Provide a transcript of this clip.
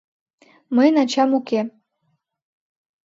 — Мыйын ачам уке.